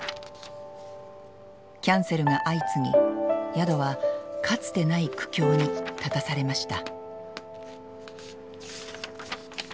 キャンセルが相次ぎ宿はかつてない苦境に立たされました。